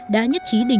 đã nhất trí định